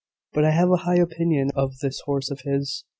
But I have a high opinion of this horse of his.